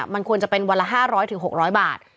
มันควรจะเป็นวันละ๕๐๐๖๐๐บาท